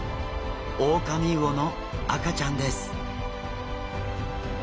オオカミウオの赤ちゃんです。